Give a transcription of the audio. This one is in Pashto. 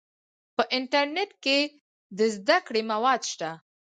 په انټرنیټ کې د زده کړې مواد شته.